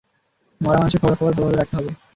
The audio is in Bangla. মরা মানুষের খবরাখবর ভালোভাবে রাখতে হবে।